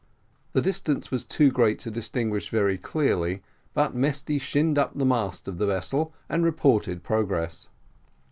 The distance was too great to distinguish very clearly, but Mesty shinned up the mast of the vessel, and reported progress.